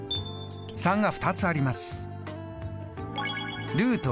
３が２つあります。